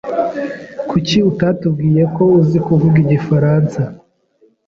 Kuki utatubwiye ko uzi kuvuga igifaransa?